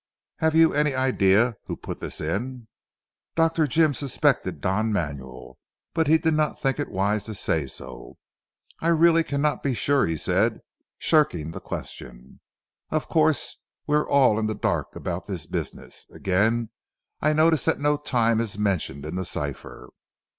Have you any idea who put this in?" Dr. Jim suspected Don Manuel, but he did not think it wise to say so. "I really cannot be sure," said he shirking the question, "of course we are all in the dark about this business. Again I notice that no time is mentioned in the cipher."